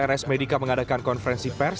rs medica mengadakan konferensi pers